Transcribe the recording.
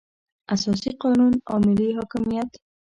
اساسي قانون او ملي حاکمیت.